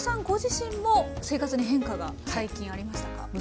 ご自身も生活に変化が最近ありましたか？